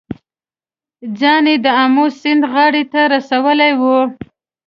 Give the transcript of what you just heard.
ځان یې د آمو سیند غاړې ته رسولی و.